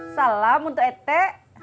salam untuk ete